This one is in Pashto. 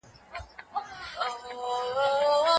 ايا د کورني نظام اشخاص درانه مسئوليتونه لري؟